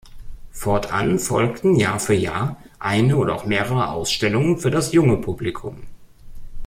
Fortan folgten Jahr für Jahr eine oder auch mehrere Ausstellungen für das junge Publikum.